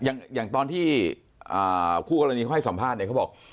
อย่างตอนที่คู่กรณีเขาให้สัมภาษณ์เนี่ยเขาบอก